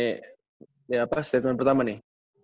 ini apa statement pertama nih